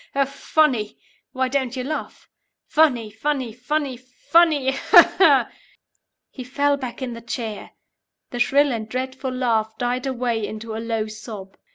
How funny! Why don't you laugh? Funny, funny, funny, funny. Aha ha ha ha ha " He fell back in the chair. The shrill and dreadful laugh died away into a low sob.